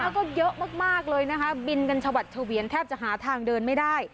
แล้วก็เยอะมากเลยนะคะบินกันชวัดเฉวียนแทบจะหาทางเดินไม่ได้